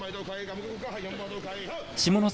下関